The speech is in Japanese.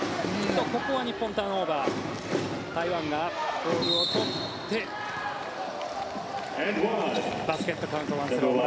ここは日本、ターンオーバー台湾がボールを取ってバスケットカウントワンスロー。